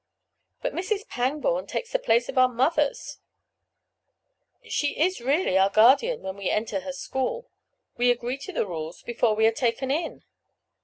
"But Mrs. Pangborn takes the place of our mothers—she is really our guardian when we enter her school. We agree to the rules before we are taken in."